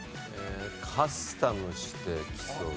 カスタムして競う。